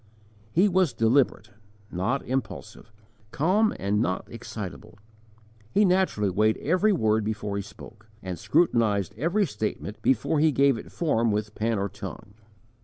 He was deliberate, not impulsive; calm and not excitable. He naturally weighed every word before he spoke, and scrutinized every statement before he gave it form with pen or tongue.